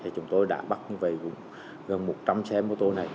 chúng tôi đã bắt về gần một trăm linh xe mô tô này